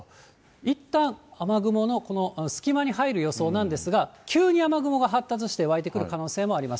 いったん雨雲の、この隙間に入る予想なんですが、急に雨雲が発達して湧いてくる可能性もあります。